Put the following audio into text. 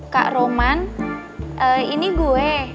kak roman ini gue